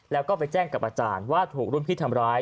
แล้วก็ไปแจ้งกับอาจารย์ว่าถูกรุ่นพี่ทำร้าย